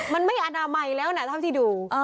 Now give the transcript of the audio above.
มันไม่อาณาไม่แล้วนะทางที่ดู